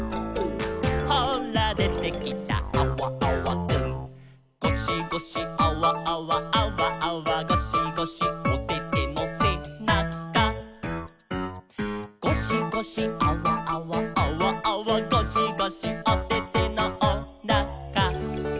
「ほらでてきたアワアワくん」「ゴシゴシアワアワアワアワゴシゴシ」「おててのせなか」「ゴシゴシアワアワアワアワゴシゴシ」「おててのおなか」